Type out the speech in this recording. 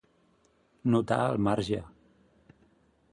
Notar al marge.